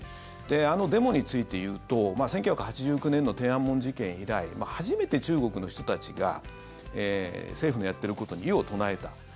あのデモについて言うと１９８９年の天安門事件以来初めて中国の人たちが政府のやっていることに異を唱えた。